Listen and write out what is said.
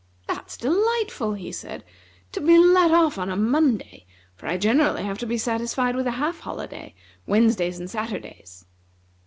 "That's delightful!" he said, "to be let off on a Monday; for I generally have to be satisfied with a half holiday, Wednesdays and Saturdays."